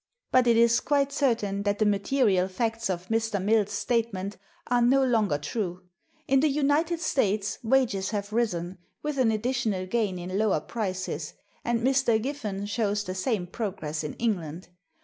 But it is quite certain that the material facts of Mr. Mill's statement are no longer true. In the United States wages have risen, with an additional gain in lower prices; and Mr. Giffen shows the same progress in England.